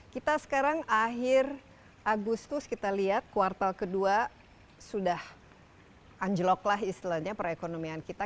kita sekarang akhir agustus kita lihat kuartal kedua sudah anjloklah istilahnya perekonomian kita